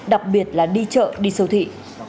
đặc biệt là đi chợ đi sâu thị